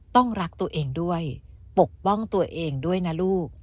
ต้องรักตัวเองด้วยปกป้องตัวเองด้วยนะลูก